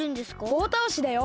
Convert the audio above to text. ぼうたおしだよ。